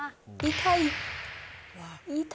痛い。